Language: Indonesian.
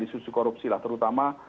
disitusi korupsi lah terutama